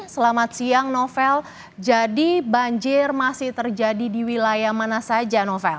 selamat siang novel jadi banjir masih terjadi di wilayah mana saja novel